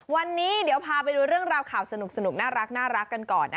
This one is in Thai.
วันนี้เดี๋ยวพาไปดูเรื่องราวข่าวสนุกน่ารักกันก่อน